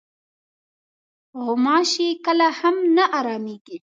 غوماشې کله هم نه ارامېږي.